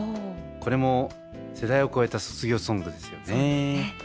これも世代を超えた卒業ソングですよね。